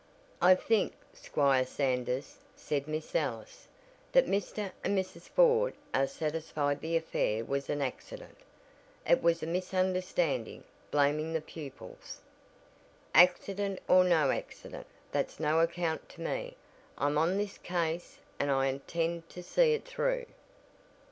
"I think, Squire Sanders," said Miss Ellis, "that Mr. and Mrs. Ford are satisfied the affair was an accident. It was a misunderstanding blaming the pupils." "Accident or no accident, that's no account to me. I'm on this case, and I intend to see it through."